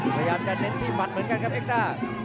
พยายามจะเน้นที่หมัดเหมือนกันครับเอ็กด้า